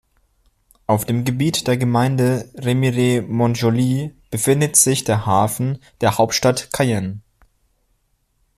Auf dem Gebiet der Gemeinde Remire-Montjoly befindet sich der Hafen der Hauptstadt Cayenne.